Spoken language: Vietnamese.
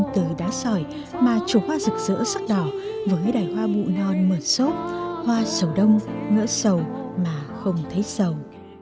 như đá sỏi mà trổ hoa rực rỡ sắc đỏ với đài hoa bụ non mờ sốt hoa sầu đông ngỡ sầu mà không thấy sầu